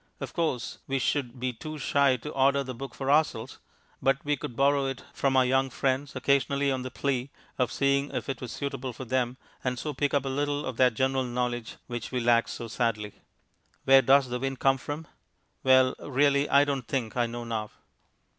Of course, we should be too shy to order the book for ourselves, but we could borrow it from our young friends occasionally on the plea of seeing if it was suitable for them, and so pick up a little of that general knowledge which we lack so sadly. Where does the wind come from? Well, really, I don't think I know now.